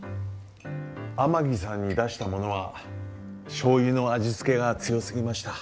天城さんに出したものはしょうゆの味付けが強すぎました。